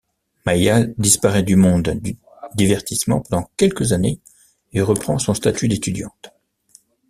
Maia disparaît du monde du divertissement pendant quelques années et reprend son statut d'étudiante.